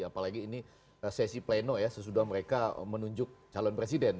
apalagi ini sesi pleno ya sesudah mereka menunjuk calon presiden